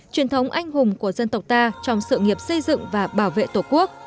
truyền thống anh hùng của dân tộc ta trong sự nghiệp xây dựng và bảo vệ tổ quốc